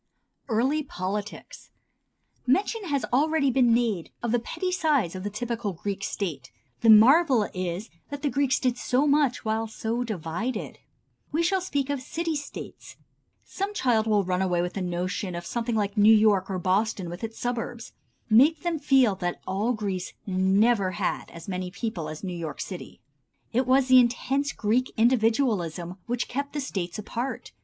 Early Politics. Mention has already been made of the petty size of the typical Greek State. The marvel is that the Greeks did so much while so divided. We shall speak of "city states." Some child will run away with a notion of something like New York or Boston with its suburbs. Make them feel that all Greece never had as many people as New York City. It was the intense Greek individualism which kept the States apart.